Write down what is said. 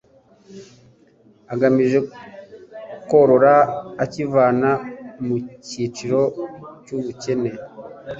agamije korora akivana mu cyiciro cy'ubukene